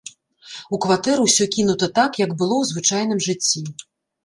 У кватэры ўсё кінута так, як было ў звычайным жыцці.